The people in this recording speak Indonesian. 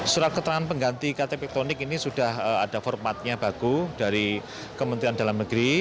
surat keterangan pengganti ktp elektronik ini sudah ada formatnya baku dari kementerian dalam negeri